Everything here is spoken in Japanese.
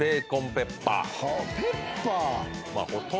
ペッパー。